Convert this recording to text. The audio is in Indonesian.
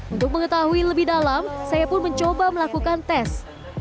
untuk mengetahui lebih dalam saya pun mencoba melakukan tes